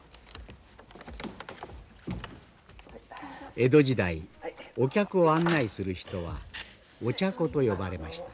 江戸時代お客を案内する人はお茶子と呼ばれました。